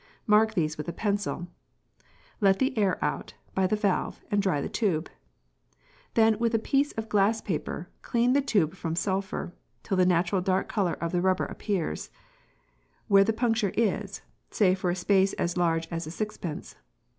Mark these with a pencil, let the air out—by the valve—and dry the tube. Then with a piece of glass paper, clean the tube from sulphur—till the natural dark colour of the rubber appears—where the puncture is, say for a space as large as a sixpence.